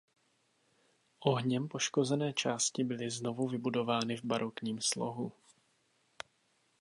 Ohněm poškozené části byly znovu vybudovány v barokním slohu.